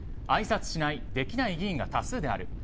あいさつしない、できない議員が多数である。